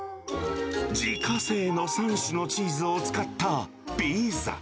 自家製の３種のチーズを使ったピザ。